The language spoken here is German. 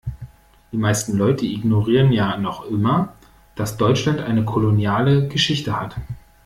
Die meisten Leute ignorieren ja noch immer, dass Deutschland eine koloniale Geschichte hat.